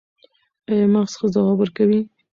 ایا مغز ښه ځواب ورکوي؟